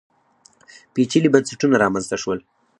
پېچلي بنسټونه رامنځته شول